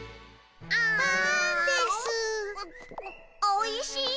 おいしい。